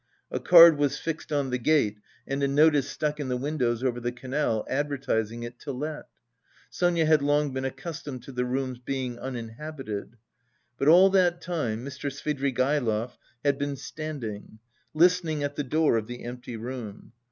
A card was fixed on the gate and a notice stuck in the windows over the canal advertising it to let. Sonia had long been accustomed to the room's being uninhabited. But all that time Mr. Svidrigaïlov had been standing, listening at the door of the empty room.